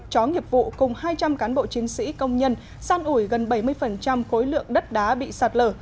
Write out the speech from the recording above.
chó nghiệp vụ cùng hai trăm linh cán bộ chiến sĩ công nhân san ủi gần bảy mươi khối lượng đất đá bị sạt lở